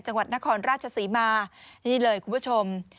จังหวัดนครราชศรีมานี่เลยคุณผู้ชม